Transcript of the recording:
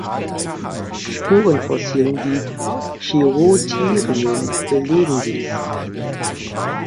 Spurenfossilien wie "Chirotherium" belegen dies.